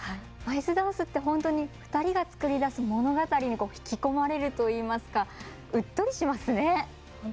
アイスダンスって本当に２人が作り出す物語に引き込まれるといいますかうっとりしますね。